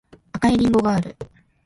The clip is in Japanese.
赤いりんごがある